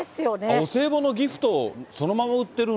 お歳暮のギフトをそのまま売ってるの？